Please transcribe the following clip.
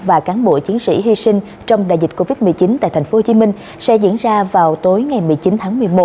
và cán bộ chiến sĩ hy sinh trong đại dịch covid một mươi chín tại tp hcm sẽ diễn ra vào tối ngày một mươi chín tháng một mươi một